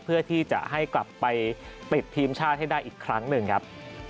เพื่อที่จะให้กลับไปติดทีมชาติให้ได้อีกครั้งหนึ่งครับ